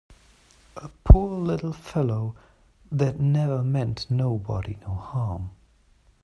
A poor little fellow that never meant nobody no harm!